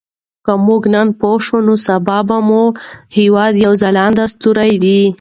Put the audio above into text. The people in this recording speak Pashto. که موږ نن پوه شو نو سبا به مو هېواد یو ځلانده ستوری وي.